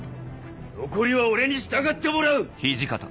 残りは俺に従ってもらう。